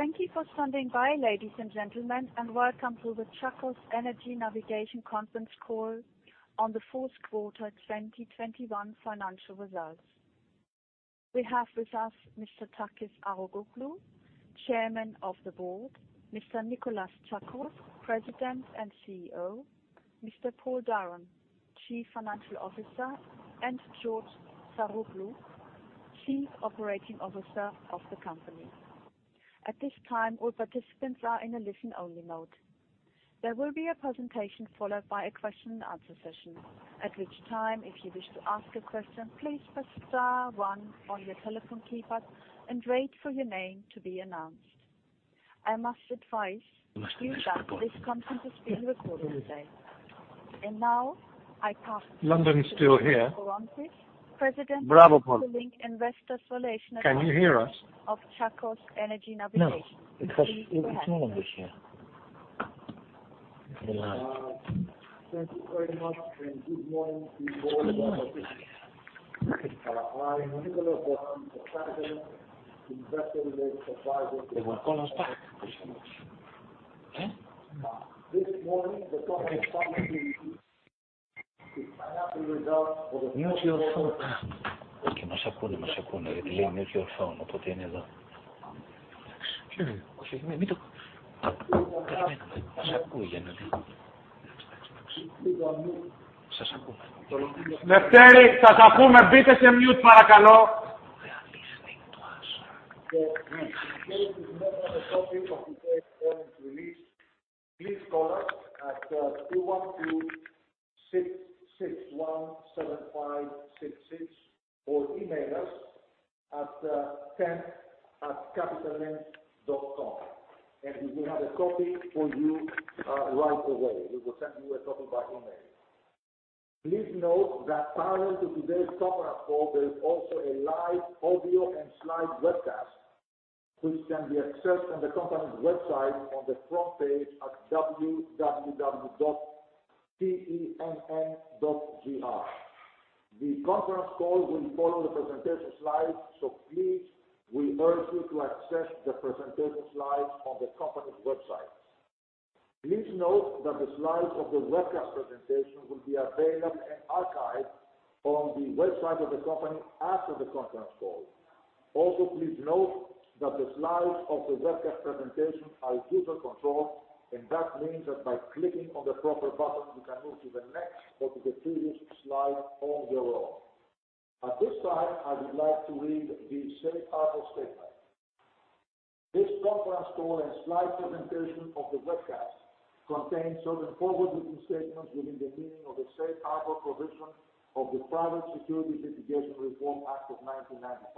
Thank you for standing by, ladies and gentlemen, and welcome to the Tsakos Energy Navigation conference call on the fourth quarter of 2021 financial results. We have with us Mr. Efstratios Arapoglou, Chairman of the Board, Mr. Nikolas Tsakos, President and CEO, Mr. Paul Durham, Chief Financial Officer, and George Saroglou, Chief Operating Officer of the company. At this time, all participants are in a listen-only mode. There will be a presentation followed by a question-and-answer session. At which time, if you wish to ask a question, please press star one on your telephone keypad and wait for your name to be announced. I must advise you that this conference is being recorded today. Now I pass it to Nicolas Bornozis, President of Capital Link and Investor Relations Adviser of. Bravo, Paul. Tsakos Energy Navigation. Please go ahead. No. Because it is not on this one. Thank you very much, and good morning to you all. This morning, the topic is the Company financial results for the. Mute your phone. For those of you who would like a copy of the press release, please call us at 212-661-7566 or email us at ten@capitallink.com. We will have a copy for you right away. We will send you a copy by email. Please note that parallel to today's conference call, there is also a live audio and slide webcast, which can be accessed on the company's website on the front page at www.tenn.gr. The conference call will follow the presentation slides, so please, we urge you to access the presentation slides on the company's website. Please note that the slides of the webcast presentation will be available and archived on the website of the company after the conference call. Also, please note that the slides of the webcast presentation are user-controlled, and that means that by clicking on the proper button, you can move to the next or to the previous slide on your own. At this time, I would like to read the Safe Harbor statement. This conference call and slide presentation of the webcast contains certain forward-looking statements within the meaning of the Safe Harbor provision of the Private Securities Litigation Reform Act of 1995.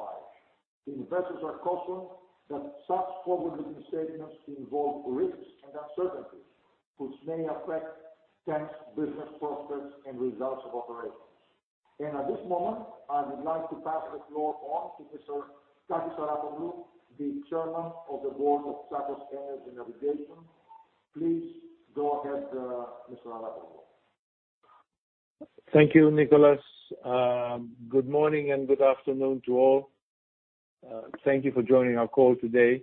Investors are cautioned that such forward-looking statements involve risks and uncertainties which may affect TEN's business prospects and results of operations. At this moment, I would like to pass the floor on to Mr. Efstratios Arapoglou, the Chairman of the Board of Tsakos Energy Navigation. Please go ahead, sir. Mr. Arapoglou. Thank you, Nikolas. Good morning and good afternoon to all. Thank you for joining our call today.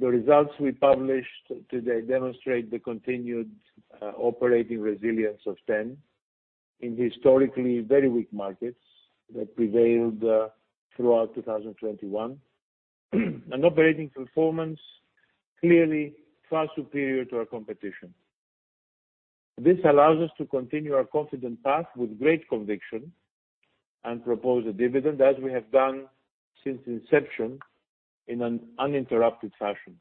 The results we published today demonstrate the continued operating resilience of TEN in historically very weak markets that prevailed throughout 2021. An operating performance clearly far superior to our competition. This allows us to continue our confident path with great conviction and propose a dividend as we have done since inception in an uninterrupted fashion.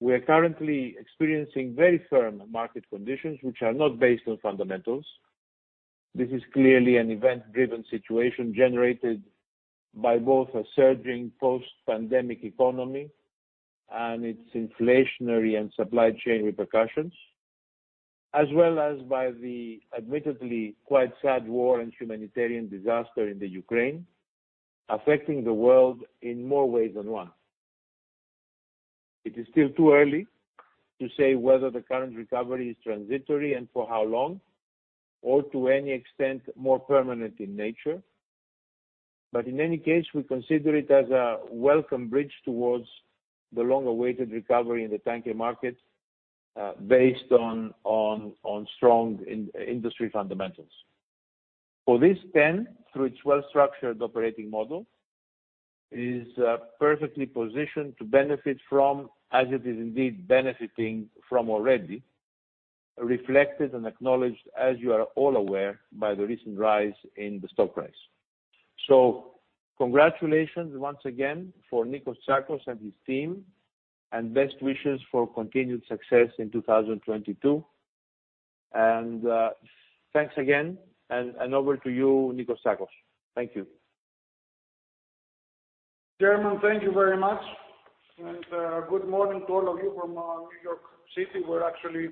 We are currently experiencing very firm market conditions which are not based on fundamentals. This is clearly an event-driven situation generated by both a surging post-pandemic economy and its inflationary and supply chain repercussions, as well as by the admittedly quite sad war and humanitarian disaster in Ukraine, affecting the world in more ways than one. It is still too early to say whether the current recovery is transitory and for how long or to any extent more permanent in nature. In any case, we consider it as a welcome bridge towards the long-awaited recovery in the tanker market, based on strong in-industry fundamentals. For this TEN, through its well-structured operating model, is perfectly positioned to benefit from, as it is indeed benefiting from already, reflected and acknowledged, as you are all aware, by the recent rise in the stock price. Congratulations once again for Nikolas Tsakos and his team, and best wishes for continued success in 2022. Thanks again. Over to you, Nikolas Tsakos. Thank you. Chairman, thank you very much. Good morning to all of you from New York City, where actually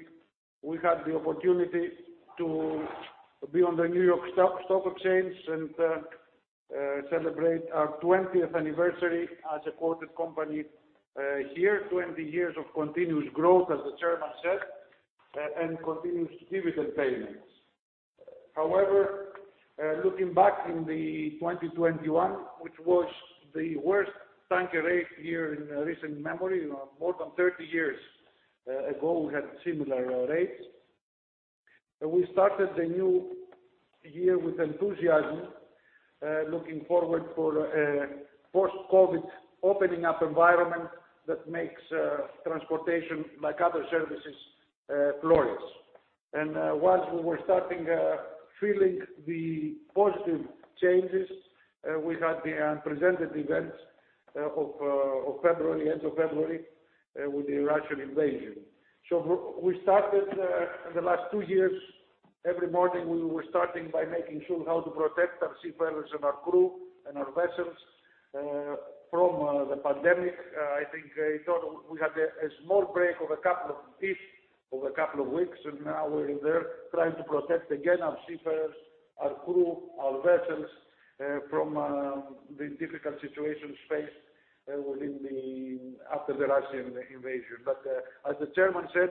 we had the opportunity to be on the New York Stock Exchange and celebrate our 20th anniversary as a quoted company here. 20 years of continuous growth, as the Chairman said, and continuous dividend payments. However, looking back in 2021, which was the worst tanker rate year in recent memory, you know, more than 30 years ago, we had similar rates. We started the new year with enthusiasm, looking forward for a post-COVID opening up environment that makes transportation like other services flourish. Once we were starting feeling the positive changes, we had the unprecedented events of February, end of February with the Russian invasion. We started the last two years, every morning, we were starting by making sure how to protect our seafarers and our crew and our vessels from the pandemic. I think in total we had a small break of a couple of weeks or over a couple of weeks, and now we're there trying to protect again our seafarers, our crew, our vessels from the difficult situations faced after the Russian invasion. As the Chairman said,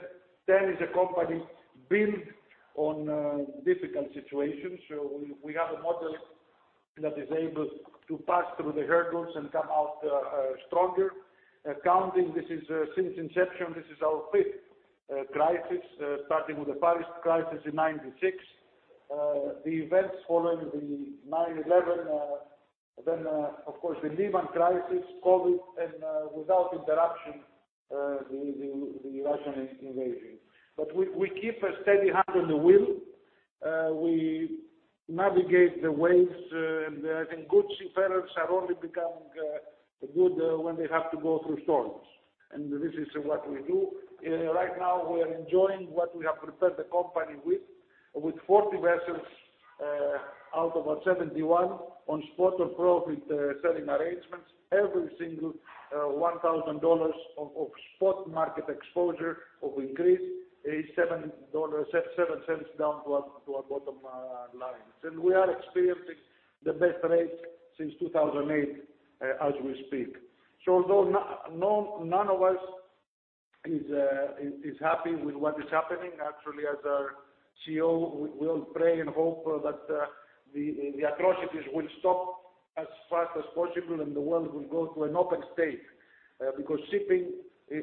TEN is a company built on difficult situations. We have a model that is able to pass through the hurdles and come out stronger. Counting this is since inception, this is our fifth crisis, starting with the Asian crisis in 1996. The events following the 9/11, then, of course the Lehman crisis, COVID and, without interruption, the Russian invasion. We keep a steady hand on the wheel. We navigate the waves, and I think good seafarers are only becoming good when they have to go through storms. This is what we do. Right now, we are enjoying what we have prepared the company with 40 vessels out of our 71 on spot or profit-sharing arrangements. Every single $1,000 of spot market exposure increase is $0.07 to our bottom lines. We are experiencing the best rates since 2008 as we speak. Although none of us is happy with what is happening, actually as our CEO, we all pray and hope that the atrocities will stop as fast as possible and the world will go to an open state, because shipping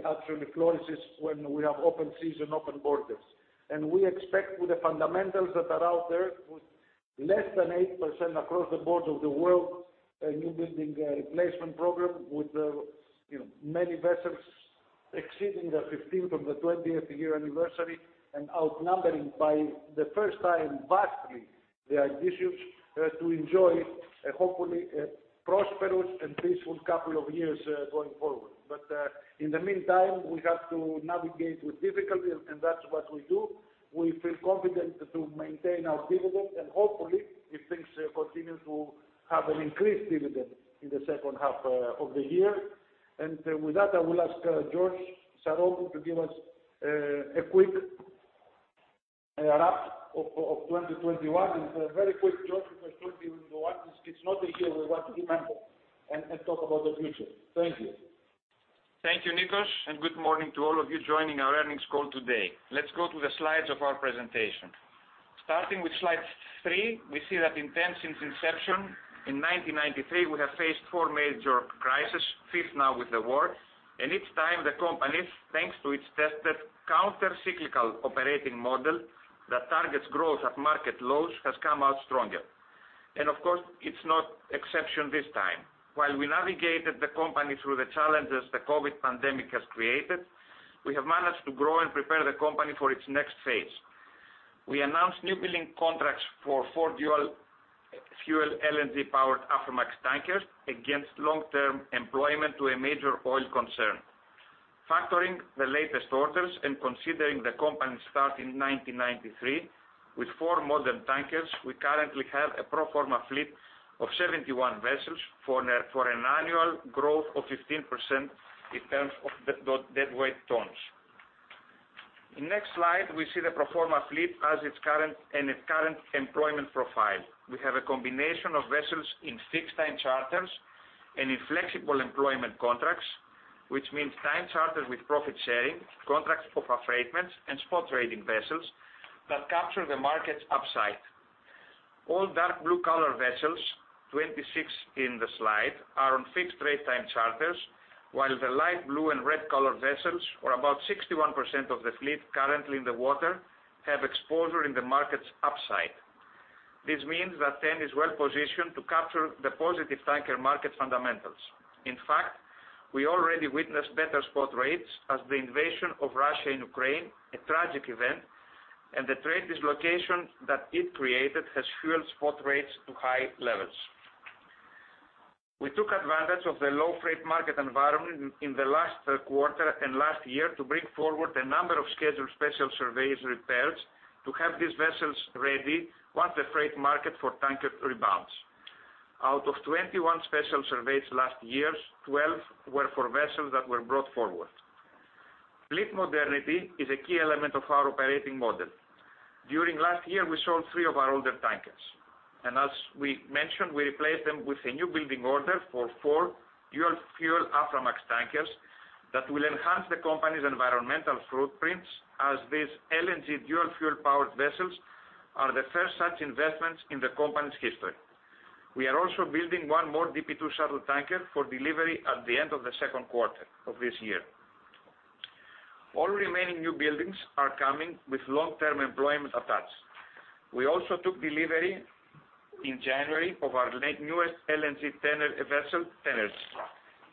actually flourishes when we have open seas and open borders. We expect with the fundamentals that are out there, with less than 8% across the board of the world, a newbuilding replacement program with, you know, many vessels exceeding their 15th or 20th year anniversary and outnumbering for the first time vastly their issues to enjoy hopefully a prosperous and peaceful couple of years going forward. In the meantime, we have to navigate with difficulty, and that's what we do. We feel confident to maintain our dividend and hopefully if things continue to have an increased dividend in the second half of the year. With that, I will ask George Saroglou to give us a quick wrap of 2021. It's very quick, George, because 2021 it's not a year we want to remember and talk about the future. Thank you. Thank you, Nikos, and good morning to all of you joining our earnings call today. Let's go to the slides of our presentation. Starting with slide three, we see that in TEN since inception in 1993, we have faced four major crises, fifth now with the war. Each time the company, thanks to its tested counter-cyclical operating model that targets growth at market lows, has come out stronger. Of course, it's no exception this time. While we navigated the company through the challenges the COVID pandemic has created, we have managed to grow and prepare the company for its next phase. We announced newbuilding contracts for four dual fuel LNG powered Aframax tankers against long-term employment to a major oil concern. Factoring the latest orders and considering the company start in 1993 with four modern tankers, we currently have a pro forma fleet of 71 vessels for an annual growth of 15% in terms of deadweight tons. In the next slide, we see the pro forma fleet and its current employment profile. We have a combination of vessels in fixed time charters and in flexible employment contracts, which means time charters with profit sharing, contracts of affreightment, and spot trading vessels that capture the market's upside. All dark blue color vessels, 26 in the slide, are on fixed rate time charters, while the light blue and red color vessels or about 61% of the fleet currently in the water have exposure in the market's upside. This means that TEN is well positioned to capture the positive tanker market fundamentals. In fact, we already witnessed better spot rates as the invasion of Russia and Ukraine, a tragic event, and the trade dislocation that it created has fueled spot rates to high levels. We took advantage of the low freight market environment in the last quarter and last year to bring forward a number of scheduled special surveys repairs to have these vessels ready once the freight market for tankers rebounds. Out of 21 special surveys last year, 12 were for vessels that were brought forward. Fleet modernity is a key element of our operating model. During last year, we sold three of our older tankers. As we mentioned, we replaced them with a new building order for four dual fuel Aframax tankers that will enhance the company's environmental footprints, as these LNG dual fuel-powered vessels are the first such investments in the company's history. We are also building one more DP2 shuttle tanker for delivery at the end of the second quarter of this year. All remaining new buildings are coming with long-term employment attached. We also took delivery in January of our latest newest LNG Tenergy vessel.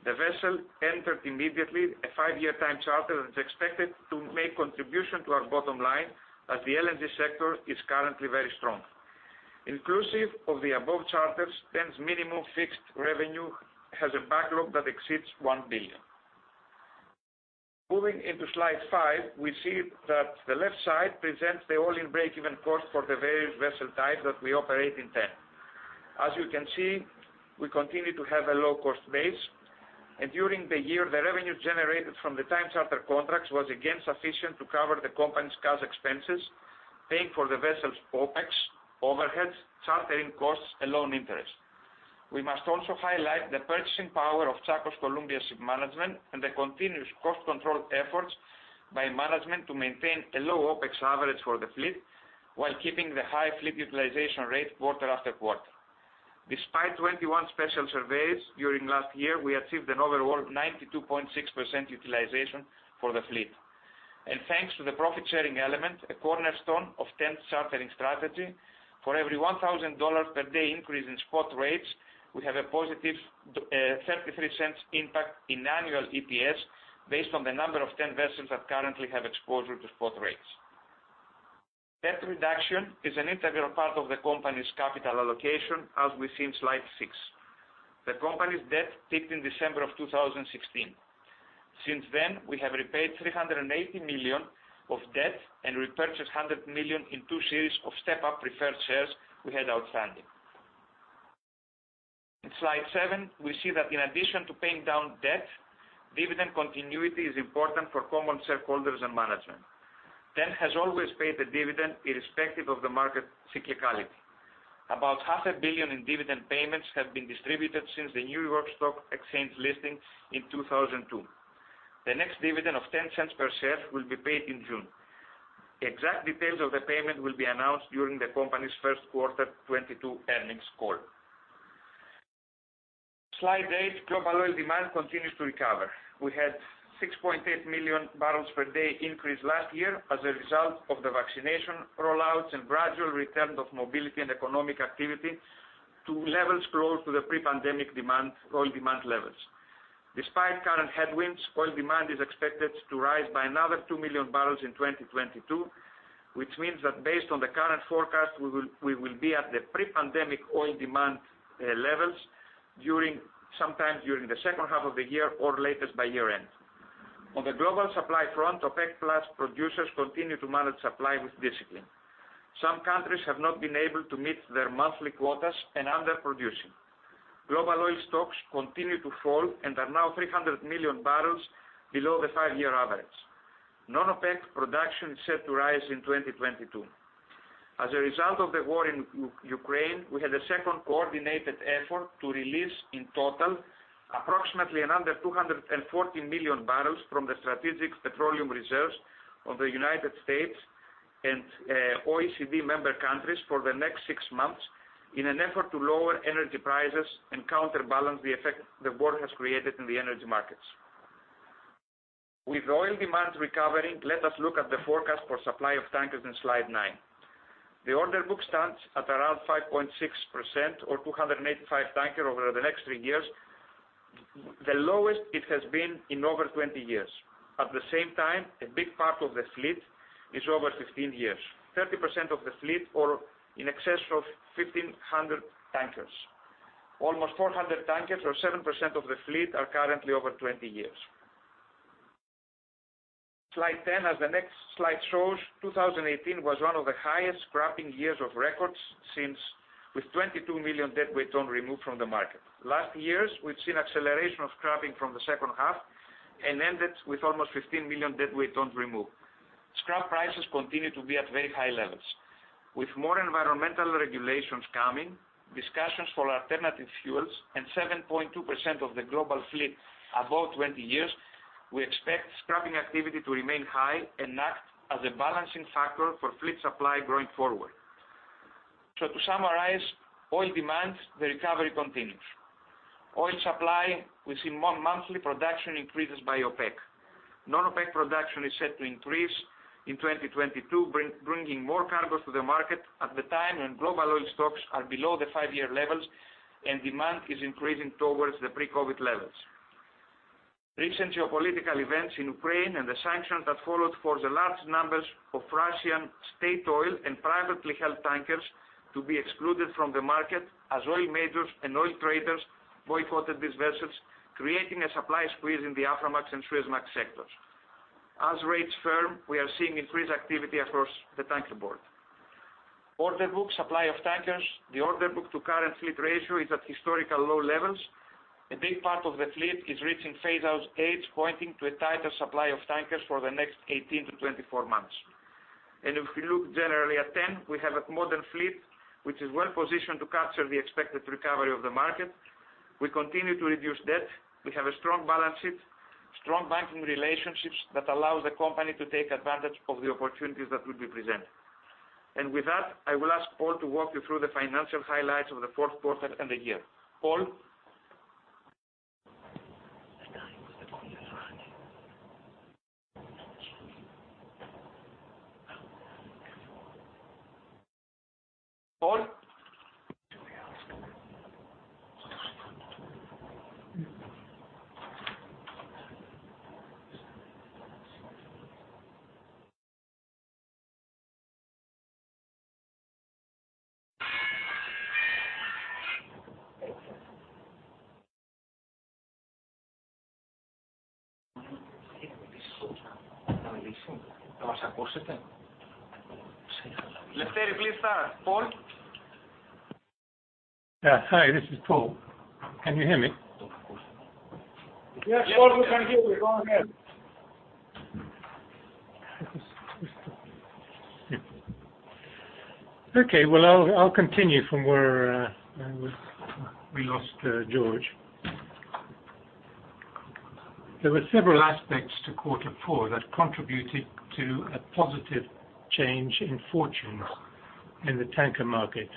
The vessel entered immediately a five-year time charter that's expected to make contribution to our bottom line as the LNG sector is currently very strong. Inclusive of the above charters, TEN's minimum fixed revenue has a backlog that exceeds $1 billion. Moving into slide five, we see that the left side presents the all-in break-even cost for the various vessel types that we operate in TEN. As you can see, we continue to have a low-cost base. During the year, the revenue generated from the time charter contracts was again sufficient to cover the company's cash expenses, paying for the vessel's OpEx, overheads, chartering costs, and loan interest. We must also highlight the purchasing power of Tsakos Columbia Shipmanagement and the continuous cost control efforts by management to maintain a low OpEx average for the fleet while keeping the high fleet utilization rate quarter after quarter. Despite 21 special surveys during last year, we achieved an overall 92.6% utilization for the fleet. Thanks to the profit-sharing element, a cornerstone of TEN's chartering strategy, for every $1,000 per day increase in spot rates, we have a positive $0.33 impact in annual EPS based on the number of TEN vessels that currently have exposure to spot rates. Debt reduction is an integral part of the company's capital allocation, as we see in slide six. The company's debt peaked in December of 2016. Since then, we have repaid $380 million of debt and repurchased $100 million in two series of step-up preferred shares we had outstanding. In slide seven, we see that in addition to paying down debt, dividend continuity is important for common shareholders and management. TEN has always paid a dividend irrespective of the market cyclicality. About $500 million in dividend payments have been distributed since the New York Stock Exchange listing in 2002. The next dividend of $0.10 per share will be paid in June. Exact details of the payment will be announced during the company's first quarter 2022 earnings call. Slide eight, global oil demand continues to recover. We had a 6.8 million barrels per day increase last year as a result of the vaccination rollouts and gradual return of mobility and economic activity to levels close to the pre-pandemic demand, oil demand levels. Despite current headwinds, oil demand is expected to rise by another 2 million barrels in 2022, which means that based on the current forecast, we will be at the pre-pandemic oil demand levels sometime during the second half of the year or latest by year-end. On the global supply front, OPEC+ producers continue to manage supply with discipline. Some countries have not been able to meet their monthly quotas and underproducing. Global oil stocks continue to fall and are now 300 million barrels below the five-year average. Non-OPEC production is set to rise in 2022. As a result of the war in Ukraine, we had a second coordinated effort to release, in total, approximately another 240 million barrels from the strategic petroleum reserves of the United States and OECD member countries for the next six months in an effort to lower energy prices and counterbalance the effect the war has created in the energy markets. With oil demand recovering, let us look at the forecast for supply of tankers in slide nine. The order book stands at around 5.6% or 285 tankers over the next three years, the lowest it has been in over 20 years. At the same time, a big part of the fleet is over 15 years, 30% of the fleet or in excess of 1,500 tankers. Almost 400 tankers or 7% of the fleet are currently over 20 years. Slide 10, as the next slide shows, 2018 was one of the highest scrapping years on record since, with 22 million deadweight tons removed from the market. Last year, we've seen acceleration of scrapping from the second half and ended with almost 15 million deadweight tons removed. Scrap prices continue to be at very high levels. With more environmental regulations coming, discussions for alternative fuels, and 7.2% of the global fleet above 20 years, we expect scrapping activity to remain high and act as a balancing factor for fleet supply going forward. To summarize oil demand, the recovery continues. Oil supply, we see month-over-month production increases by OPEC. Non-OPEC production is set to increase in 2022, bringing more cargoes to the market at the time when global oil stocks are below the five-year levels and demand is increasing towards the pre-COVID levels. Recent geopolitical events in Ukraine and the sanctions that followed forced the large numbers of Russian state oil and privately held tankers to be excluded from the market as oil majors and oil traders boycotted these vessels, creating a supply squeeze in the Aframax and Suezmax sectors. As rates firm, we are seeing increased activity across the tanker board. Order book supply of tankers, the order book to current fleet ratio is at historical low levels. A big part of the fleet is reaching phase out stage, pointing to a tighter supply of tankers for the next 18-24 months. If you look generally at TEN, we have a modern fleet which is well positioned to capture the expected recovery of the market. We continue to reduce debt. We have a strong balance sheet, strong banking relationships that allows the company to take advantage of the opportunities that will be presented. With that, I will ask Paul to walk you through the financial highlights of the fourth quarter and the year. Paul? Paul? Yeah. Hi, this is Paul. Can you hear me? Yes, Paul, we can hear you. Go ahead. Okay. Well, I'll continue from where I was. We lost George. There were several aspects to quarter four that contributed to a positive change in fortunes in the tanker market,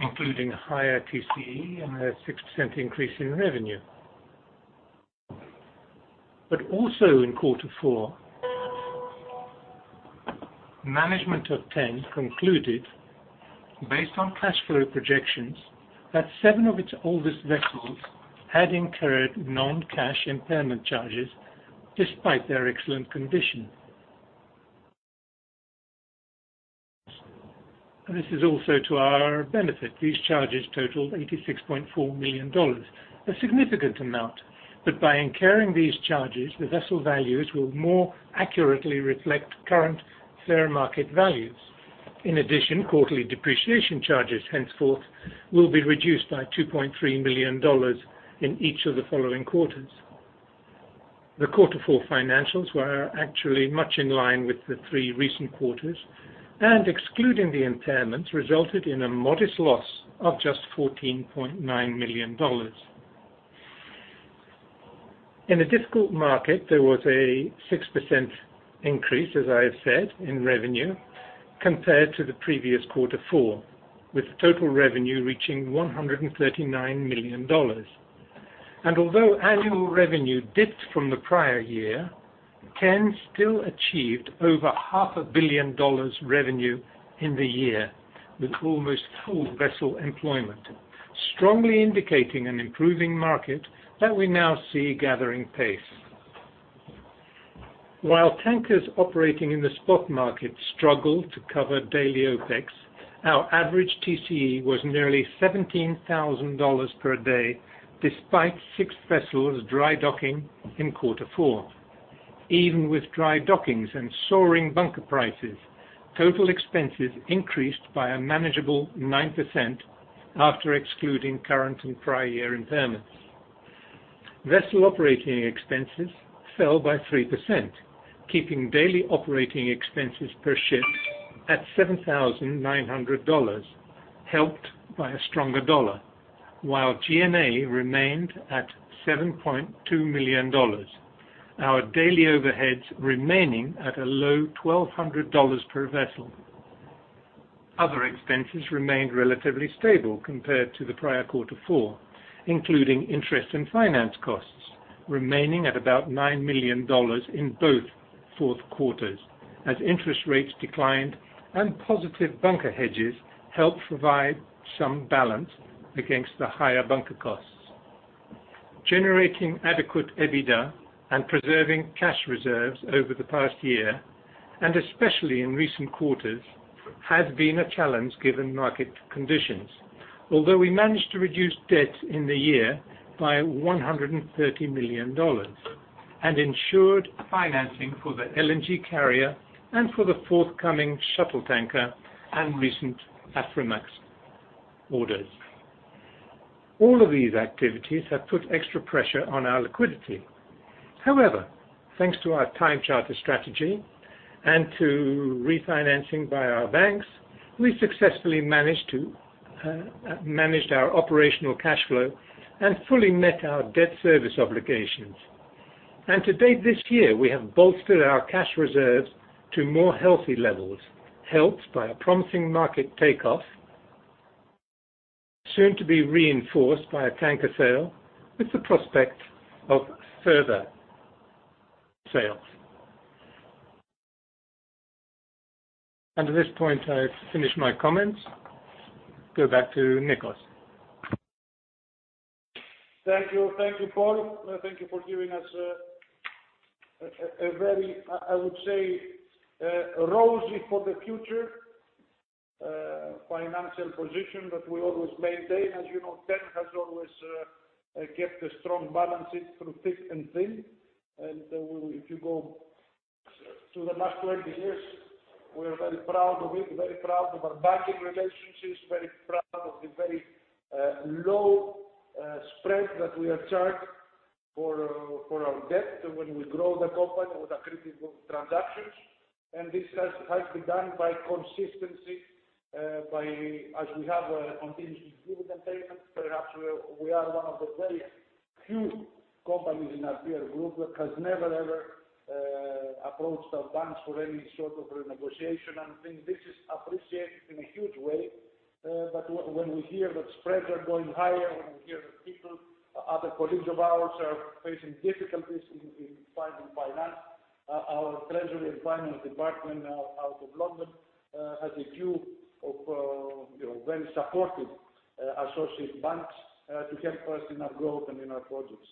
including higher TCE and a 6% increase in revenue. Also in quarter four, management of TEN concluded, based on cash flow projections, that seven of its oldest vessels had incurred non-cash impairment charges despite their excellent condition. This is also to our benefit. These charges totaled $86.4 million, a significant amount. By incurring these charges, the vessel values will more accurately reflect current fair market values. In addition, quarterly depreciation charges henceforth will be reduced by $2.3 million in each of the following quarters. The quarter four financials were actually much in line with the three recent quarters, and excluding the impairments, resulted in a modest loss of just $14.9 million. In a difficult market, there was a 6% increase, as I have said, in revenue compared to the previous quarter four, with total revenue reaching $139 million. Although annual revenue dipped from the prior year, TEN still achieved over half a billion dollars revenue in the year with almost full vessel employment, strongly indicating an improving market that we now see gathering pace. While tankers operating in the spot market struggled to cover daily OpEx, our average TCE was nearly $17,000 per day, despite six vessels dry docking in quarter four. Even with dry dockings and soaring bunker prices, total expenses increased by a manageable 9% after excluding current and prior year impairments. Vessel operating expenses fell by 3%, keeping daily operating expenses per ship at $7,900, helped by a stronger dollar. While G&A remained at $7.2 million, our daily overheads remaining at a low $1,200 per vessel. Other expenses remained relatively stable compared to the prior fourth quarter, including interest and finance costs, remaining at about $9 million in both fourth quarters, as interest rates declined and positive bunker hedges helped provide some balance against the higher bunker costs. Generating adequate EBITDA and preserving cash reserves over the past year, and especially in recent quarters, has been a challenge given market conditions. Although we managed to reduce debt in the year by $130 million and ensured financing for the LNG carrier and for the forthcoming shuttle tanker and recent Aframax orders. All of these activities have put extra pressure on our liquidity. However, thanks to our time charter strategy and to refinancing by our banks, we successfully managed to manage our operational cash flow and fully met our debt service obligations. To date this year, we have bolstered our cash reserves to more healthy levels, helped by a promising market takeoff, soon to be reinforced by a tanker sale with the prospect of further sales. At this point, I've finished my comments. Go back to Nikos. Thank you. Thank you, Paul. Thank you for giving us a very, I would say, a rosy for the future, financial position that we always maintain. As you know, TEN has always kept a strong balance sheet through thick and thin. We will. If you go Over the last 20 years. We are very proud of it, very proud of our banking relationships, very proud of the very low spread that we are charged for our debt when we grow the company with accretive transactions. This has been done by consistency, by as we have continued dividend payments. Perhaps we are one of the very few companies in our peer group that has never ever approached our banks for any sort of renegotiation. I think this is appreciated in a huge way. When we hear that spreads are going higher, when we hear that people, other colleagues of ours are facing difficulties in finding finance, our treasury and finance department out of London has a view of very supportive associate banks to help us in our growth and in our projects.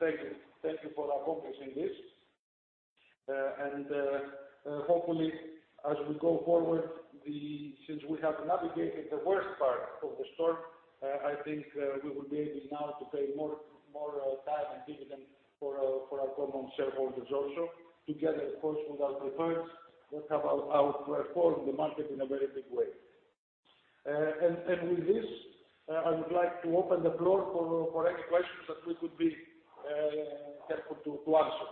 Thank you for acknowledging this. Hopefully, as we go forward since we have navigated the worst part of the storm, I think we will be able now to pay more dividend for our common shareholders also. Together, of course, with our preferreds, which have outperformed the market in a very big way. With this, I would like to open the floor for any questions that we could be helpful to answer.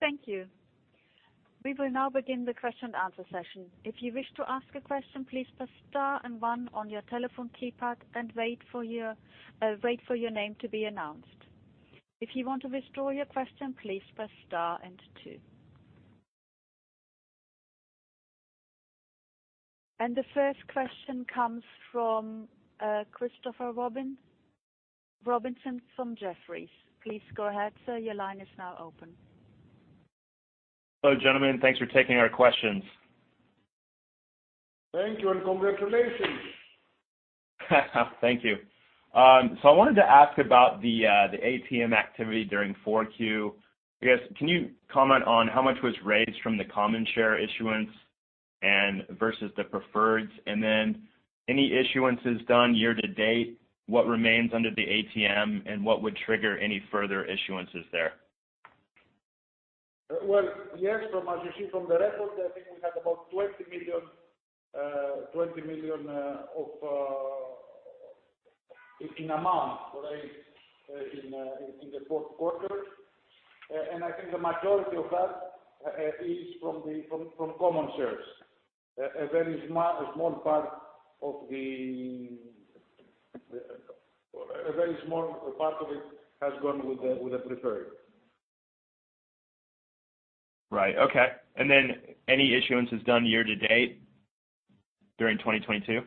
Thank you. We will now begin the question-and-answer session. If you wish to ask a question, please press star and one on your telephone keypad and wait for your name to be announced. If you want to withdraw your question, please press star and two. The first question comes from Christopher Robertson from Jefferies. Please go ahead, sir. Your line is now open. Hello, gentlemen. Thanks for taking our questions. Thank you, and congratulations. Thank you. I wanted to ask about the ATM activity during 4Q. I guess, can you comment on how much was raised from the common share issuance and versus the preferred? Any issuances done year-to-date, what remains under the ATM, and what would trigger any further issuances there? Well, yes. From what you see from the records, I think we had about $20 million in amount raised in the fourth quarter. I think the majority of that is from the common shares. A very small part of it has gone with the preferred. Right. Okay. Any issuance is done year-to-date during 2022?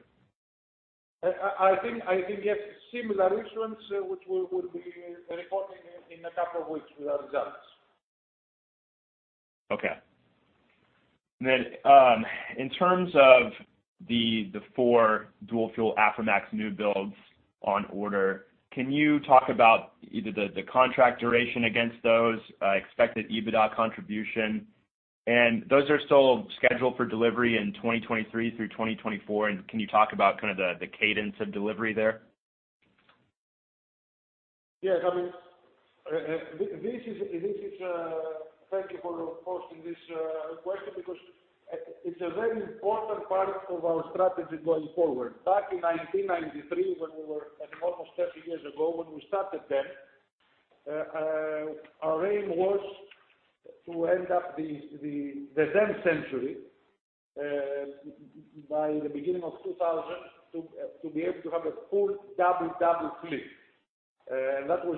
I think, yes, similar issuance, which we will be reporting in a couple of weeks with our results. Okay. In terms of the four dual fuel Aframax new builds on order, can you talk about either the contract duration against those expected EBITDA contribution? Those are still scheduled for delivery in 2023 through 2024. Can you talk about kind of the cadence of delivery there? Yes. I mean, thank you for posing this question because it's a very important part of our strategy going forward. Back in 1993, when we were, I mean, almost 30 years ago when we started then, our aim was to end up the then century by the beginning of 2000 to be able to have a full WW fleet. That was,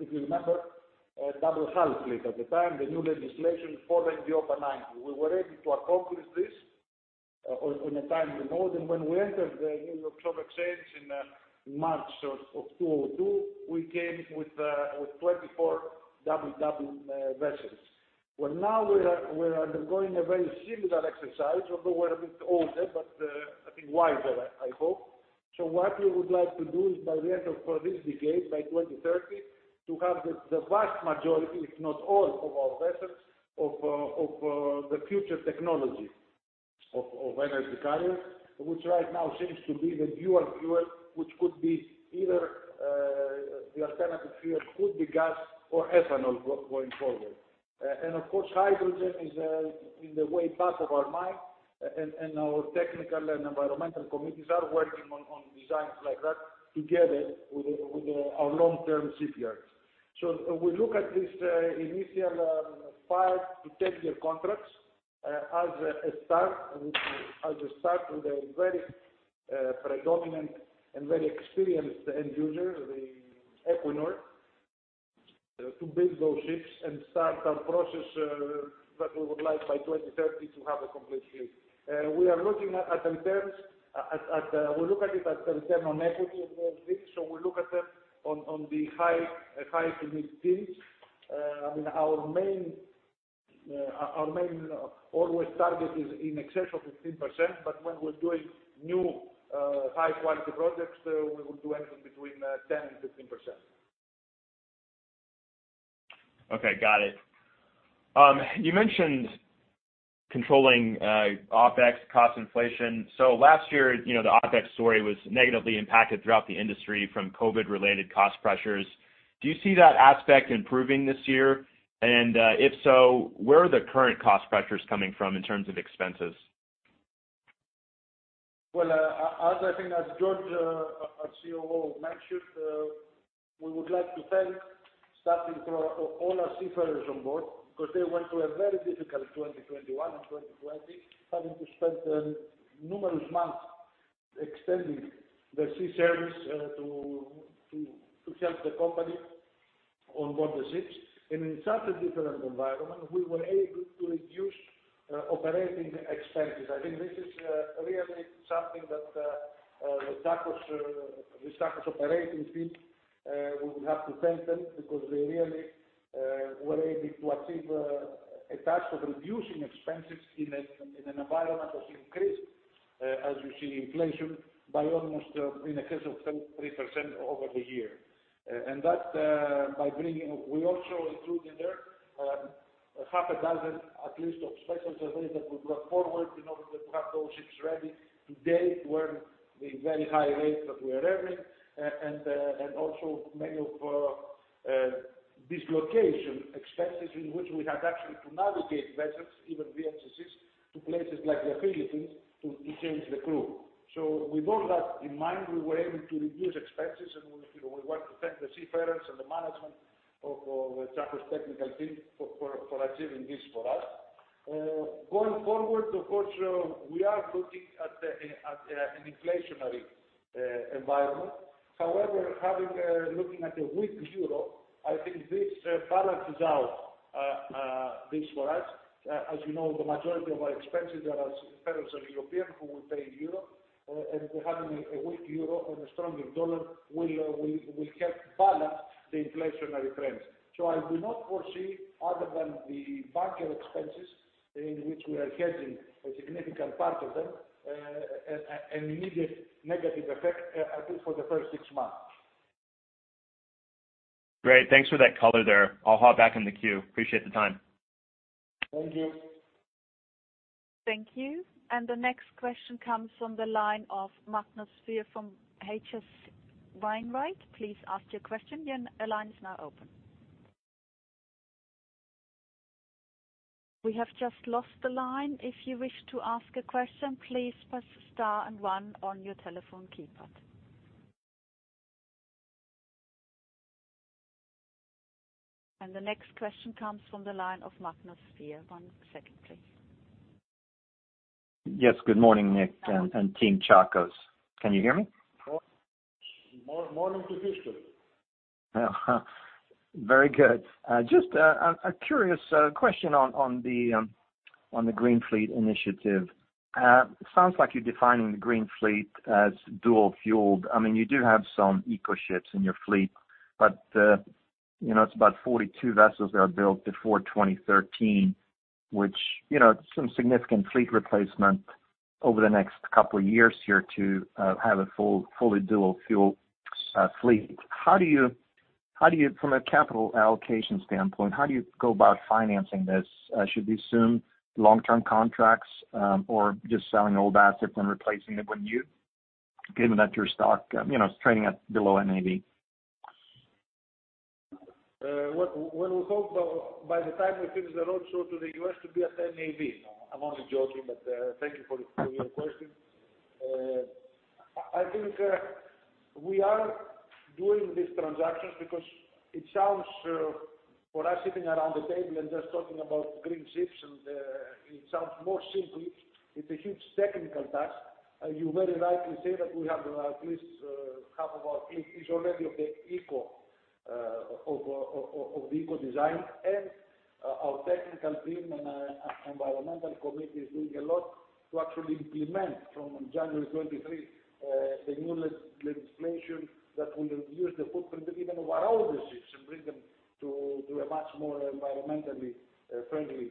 if you remember, a double hull fleet at the time, the new legislation following the OPA 90. We were able to accomplish this on time, you know. When we entered the New York Stock Exchange in March of 2002, we came with 24 WW vessels. Well, now we are undergoing a very similar exercise, although we're a bit older, but I think wiser, I hope. What we would like to do is by the end of this decade, by 2030, to have the vast majority, if not all of our vessels of the future technology of energy carriers. Which right now seems to be the dual fuel, which could be either the alternative fuel could be gas or ethanol going forward. And of course, hydrogen is on the way, part of our mind. And our technical and environmental committees are working on designs like that together with our long-term charterers. We look at this initial five- to 10-year contracts as a start with a very predominant and very experienced end user, the Equinor, to build those ships and start our process that we would like by 2030 to have a complete fleet. We are looking at returns. We look at it as a return on equity in all these. We look at them on the high teens. I mean, our main always target is in excess of 15%, but when we're doing new high-quality projects, we will do anything between 10% and 15%. Okay, got it. You mentioned controlling OpEx cost inflation. Last year, you know, the OpEx story was negatively impacted throughout the industry from COVID-related cost pressures. Do you see that aspect improving this year? If so, where are the current cost pressures coming from in terms of expenses? As George, our COO mentioned, we would like to thank starting from all our seafarers on board because they went through a very difficult 2021 and 2020 having to spend numerous months extending their sea service to help the company on board the ships. In such a different environment, we were able to reduce operating expenses. I think this is really something that the Tsakos operating team we would have to thank them because they really were able to achieve a task of reducing expenses in an environment of increased as you see inflation by almost in excess of 33% over the year. By bringing up we also included there half a dozen at least of special surveys that we brought forward in order to have those ships ready today to earn the very high rates that we are earning and also many of dislocation expenses in which we had actually to navigate vessels, even VLCCs, to places like the Philippines to change the crew. With all that in mind, we were able to reduce expenses, and we, you know, we want to thank the seafarers and the management of Tsakos technical team for achieving this for us. Going forward, of course, we are looking at an inflationary environment. However, looking at a weak euro, I think this balances out this for us. As you know, the majority of our expenses are for seafarers who are European who are paid in euro, and having a weak euro and a stronger dollar will help balance the inflationary trends. I do not foresee other than the bunker expenses in which we are hedging a significant part of them, an immediate negative effect, at least for the first six months. Great. Thanks for that color there. I'll hop back in the queue. Appreciate the time. Thank you. Thank you. The next question comes from the line of Magnus Fyhr from H.C. Wainwright. Please ask your question. Your line is now open. We have just lost the line. The next question comes from the line of Magnus Fyhr. One second, please. Yes. Good morning, Nick and team Tsakos. Can you hear me? Morning to history. Very good. Just a curious question on the Green Fleet initiative. It sounds like you're defining the Green Fleet as dual fuel. I mean, you do have some eco ships in your fleet, but you know, it's about 42 vessels that are built before 2013 which you know some significant fleet replacement over the next couple of years here to have a fully dual fuel fleet. How do you, from a capital allocation standpoint, go about financing this? Should we assume long-term contracts or just selling old assets and replacing them given that your stock, you know, is trading at below NAV? Well, well, we hope by the time we finish the roadshow to the U.S. to be at NAV. I'm only joking, but, thank you for your question. I think, we are doing these transactions because it sounds for us sitting around the table and just talking about green ships and, it sounds more simple. It's a huge technical task. You very rightly say that we have at least half of our fleet is already of the eco design. Our technical team and environmental committee is doing a lot to actually implement from January 2023 the new legislation that will reduce the footprint even of our older ships and bring them to a much more environmentally friendly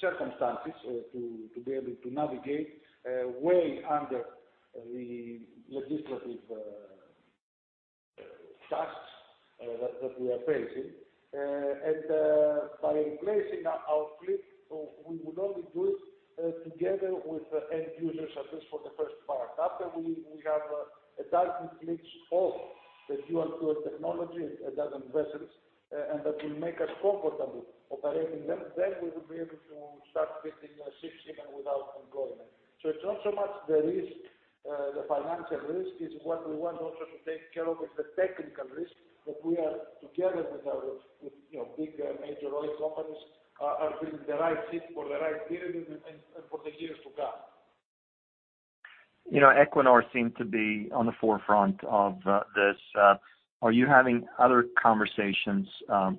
circumstances to be able to navigate way under the legislative tasks that we are facing. By replacing our fleet, we would only do it together with end users, at least for the first part. After we have a target fleet of the dual fuel technology, 12 vessels, and that will make us comfortable operating them, then we will be able to start building ships even without employment. It's not so much the risk, the financial risk is what we want also to take care of is the technical risk that we are together with our, you know, big major oil companies are building the right ship for the right period and for the years to come. You know, Equinor seemed to be on the forefront of this. Are you having other conversations,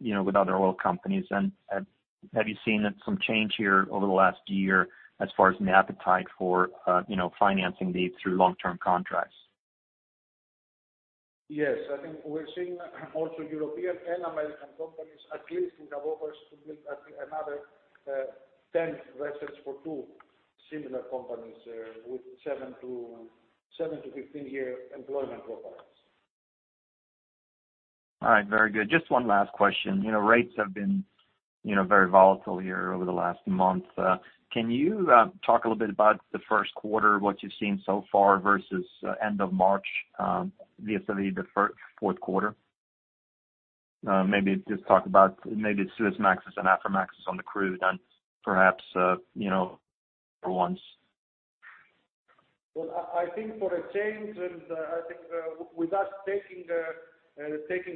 you know, with other oil companies? Have you seen some change here over the last year as far as an appetite for, you know, financing these through long-term contracts? Yes. I think we're seeing also European and American companies. At least we have offers to build another 10 vessels for two similar companies with seven-15-year employment profiles. All right. Very good. Just one last question. You know, rates have been, you know, very volatile here over the last month. Can you talk a little bit about the first quarter, what you've seen so far versus end of March vis-à-vis the fourth quarter? Maybe just talk about maybe Suezmaxes and Aframaxes on the crude and perhaps for once. Well, I think for a change, I think, with us taking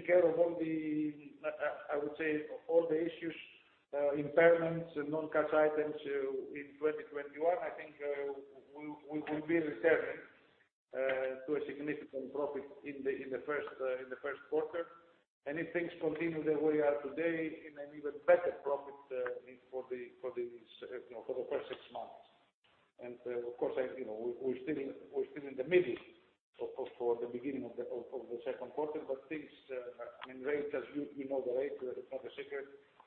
care of all the, I would say all the issues, impairments and non-cash items in 2021, I think, we'll be returning to a significant profit in the first quarter. If things continue the way they are today in an even better profit, for the first six months. Of course, you know, we're still in the middle, of course, for the beginning of the second quarter. Things, I mean rates as you know the rates it's not a secret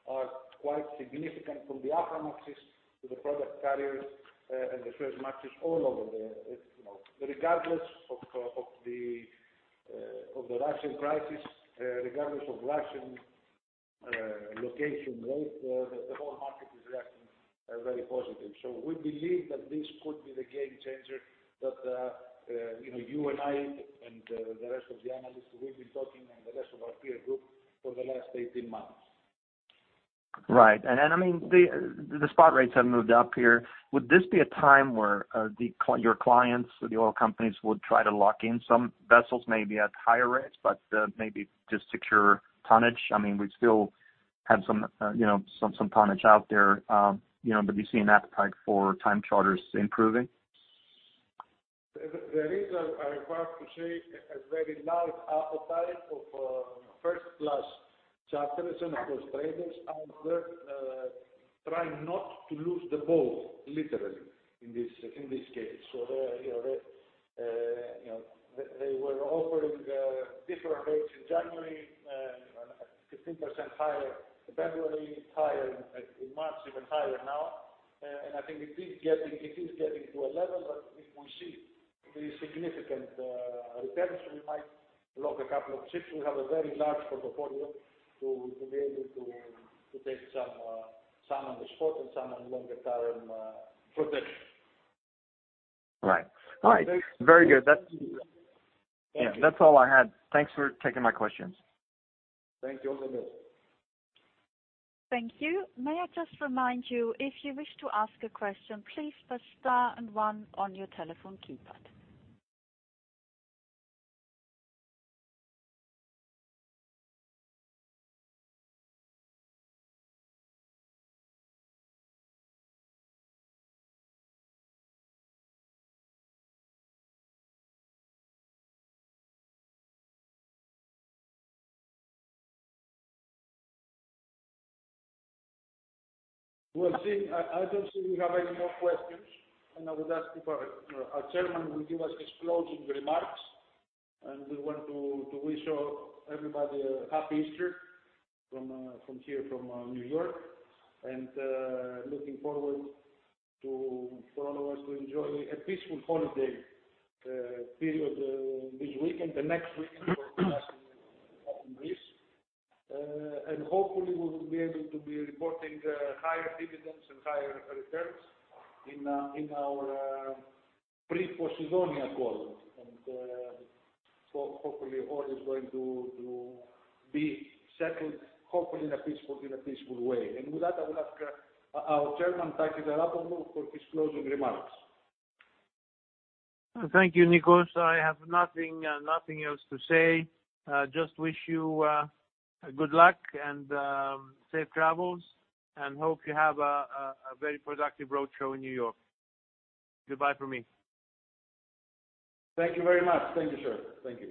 are quite significant from the Aframaxes to the product carriers, and the Suezmaxes all over, you know. Regardless of the Russian crisis, regardless of Russian location rate, the whole market is reacting very positive. We believe that this could be the game changer that you know you and I and the rest of the analysts we've been talking and the rest of our peer group for the last 18 months. Right. I mean, the spot rates have moved up here. Would this be a time where your clients or the oil companies would try to lock in some vessels maybe at higher rates, but maybe just secure tonnage? I mean, we still have some you know some tonnage out there, you know, but we see an appetite for time charters improving. There is, I have to say, a very large appetite for first class charters and of course traders and they're trying not to lose the boat literally in this case. So, they're you know they were offering different rates in January and 15% higher in February, higher in March, even higher now. I think it is getting to a level that if we see the significant returns, we might lock a couple of ships. We have a very large portfolio to be able to take some on the spot and some on longer term protection. Right. All right. Very good. Thank you. Yeah, that's all I had. Thanks for taking my questions. Thank you. Over to you. Thank you. May I just remind you, if you wish to ask a question, please press star and one on your telephone keypad. I don't see we have any more questions, and I would ask if our chairman will give us his closing remarks. We want to wish everybody a Happy Easter from here from New York. Looking forward to for all of us to enjoy a peaceful holiday period this weekend, the next weekend for us in Greece. Hopefully we'll be able to be reporting higher dividends and higher returns in our pre-Posidonia call. Hopefully all is going to be settled in a peaceful way. With that, I will ask our chairman, Takis Arapoglou for his closing remarks. Thank you, Nikos. I have nothing else to say. Just wish you good luck and safe travels and hope you have a very productive road show in New York. Goodbye from me. Thank you very much. Thank you, sir. Thank you.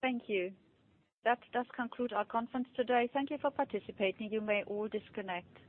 Thank you. That does conclude our conference today. Thank you for participating. You may all disconnect.